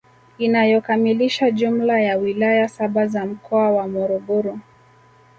Inayokamilisha jumla ya wilaya saba za mkoa wa Morogoro